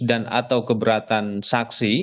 dan atau keberatan saksi